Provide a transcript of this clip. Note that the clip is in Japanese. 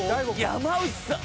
山内さん。